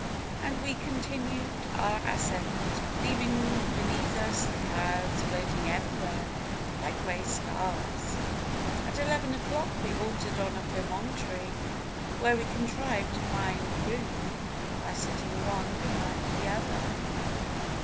And we continued our ascent, leaving beneath us the clouds floating everywhere like grey scarves. At eleven o'clock we halted on a promontory where we contrived to find room by sitting one behind the other.